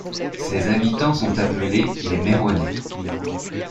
Ses habitants sont appelés les Mayronnais.